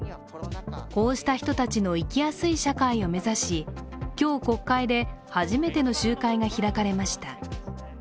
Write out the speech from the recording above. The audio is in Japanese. こうした人たちの生きやすい社会を目指し、今日、国会で初めての集会が開かれました。